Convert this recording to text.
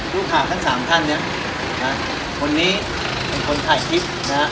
ลูกหาบทั้ง๓ท่านนะคนนี้เป็นคนถ่ายคลิป